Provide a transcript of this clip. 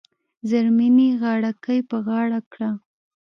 زرمینې غاړه ګۍ په غاړه کړه .